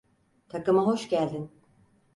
Takıma hoş geldin.